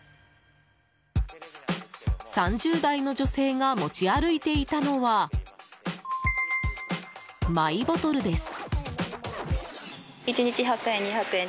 ３０代の女性が持ち歩いていたのはマイボトルです。